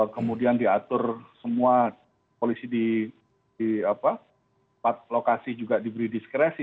kemudian diatur semua polisi di empat lokasi juga diberi diskresi